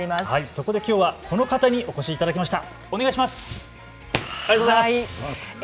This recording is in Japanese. そこできょうはこの方に、お越しいただきました。